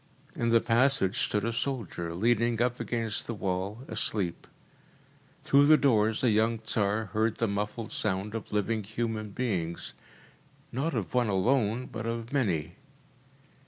In the passage stood a soldier, leaning up against the wall, asleep. Through the doors the young Tsar heard the muffled sound of living human beings: not of one alone, but of many.